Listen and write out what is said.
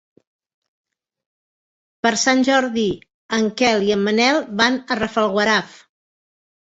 Per Sant Jordi en Quel i en Manel van a Rafelguaraf.